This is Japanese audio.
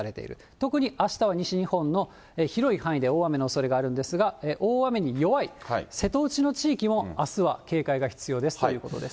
特にあしたは西日本の広い範囲で大雨のおそれがあるんですが、大雨に弱い瀬戸内の地域も、あすは警戒が必要ですということです。